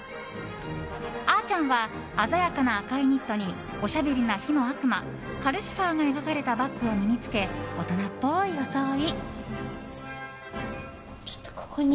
あちゃんは鮮やかな赤いニットにおしゃべりな火の悪魔カルシファーが描かれたバッグを身に付け大人っぽい装い。